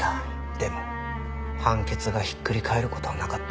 でも判決がひっくり返る事はなかった。